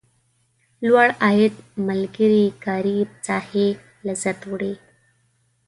لوړ عاید ملګري کاري ساحې لذت وړي.